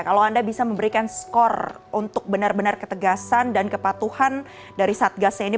kalau anda bisa memberikan skor untuk benar benar ketegasan dan kepatuhan dari satgasnya ini